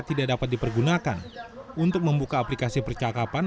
tidak dapat dipergunakan untuk membuka aplikasi percakapan